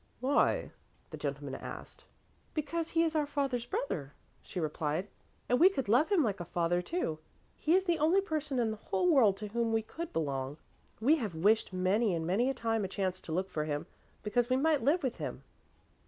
"Why?" the gentleman asked. "Because he is our father's brother," she replied, "and we could love him like a father, too. He is the only person in the whole world to whom we could belong. We have wished many and many a time a chance to look for him, because we might live with him."